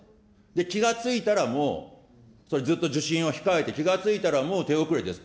気が付いたらもう、それずっと受診を控えて、気がついたらもう手遅れです。